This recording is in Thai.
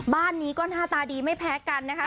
บ้านนี้ก็หน้าตาดีไม่แพ้กันนะคะ